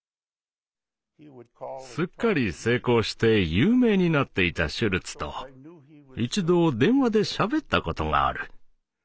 すっかり成功して有名になっていたシュルツと一度電話でしゃべったことがある。